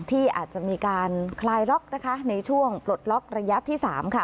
ที่อาจจะมีการคลายล็อกนะคะในช่วงปลดล็อกระยะที่๓ค่ะ